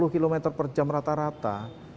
satu ratus enam puluh km per jam rata rata